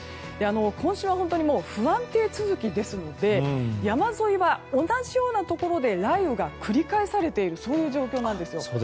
今週は本当に不安定続きですので山沿いは同じようなところで雷雨が繰り返されている状況なんですよ。